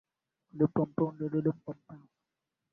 juu ya mazungumzo ya mabadiliko ya hali ya hewa